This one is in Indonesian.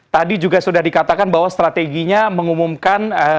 tadi juga sudah dikatakan bahwa strateginya mengumumkan